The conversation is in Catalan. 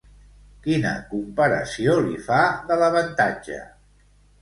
Quina comparació li fa de l'avantatge?